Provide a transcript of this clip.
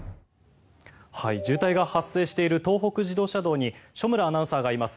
渋滞が発生している東北自動車道に所村アナウンサーがいます。